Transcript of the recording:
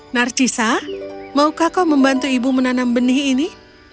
narcisa maukah kau membantu ibu menanam benih ini